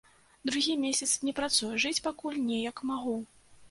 Другі месяц не працую, жыць пакуль неяк магу.